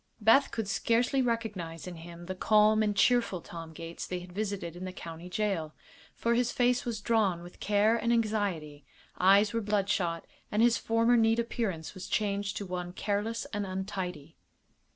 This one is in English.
Beth could scarcely recognize in him the calm and cheerful Tom Gates they had visited in the county jail; for his face was drawn with care and anxiety, eyes were bloodshot, and his former neat appearance was changed to one careless and untidy.